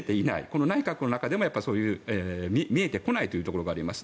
この内閣の中でも見えてこないというところがあります。